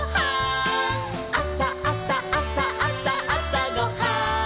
「あさあさあさあさあさごはん」